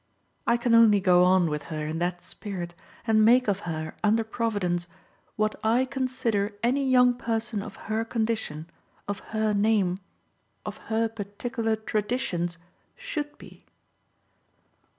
I can only go on with her in that spirit and make of her, under Providence, what I consider any young person of her condition, of her name, of her particular traditions, should be.